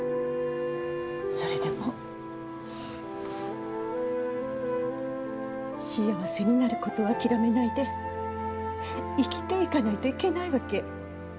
それでも幸せになることを諦めないで生きていかないといけないわけ。